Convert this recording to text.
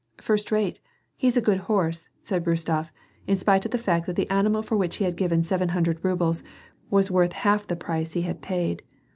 '^ First rate, he's a good horse," said Rostof, in spite of the fact that the animal for which he had given seven hundred rubles, was worth half the price he had paid.